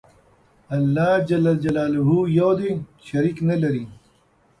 الله ج یو دی. شریک نلري.